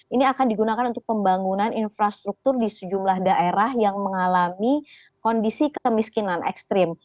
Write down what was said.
ini akan digunakan untuk pembangunan infrastruktur di sejumlah daerah yang mengalami kondisi kemiskinan ekstrim